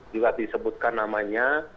juga disebutkan namanya